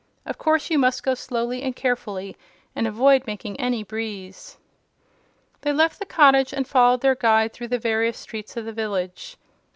Of course you must go slowly and carefully, and avoid making any breeze." They left the cottage and followed their guide through the various streets of the village.